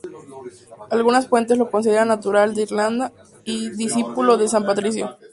Algunas fuentes lo consideran natural de Irlanda y discípulo de San Patricio.